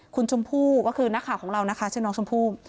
คุณชมพู่ก็คือนักข่าวของเรานะคะชื่อน้องชมพู่